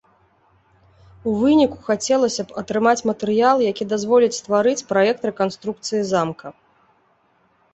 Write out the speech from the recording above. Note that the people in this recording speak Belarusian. І ў выніку хацелася б атрымаць матэрыял, які дазволіць стварыць праект рэканструкцыі замка.